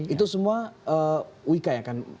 itu semua wika ya kan